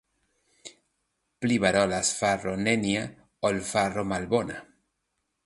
Pli valoras faro nenia, ol faro malbona.